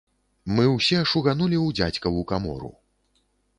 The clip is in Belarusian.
Мы ўсе шуганулі ў дзядзькаву камору.